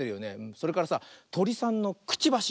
それからさトリさんのくちばし。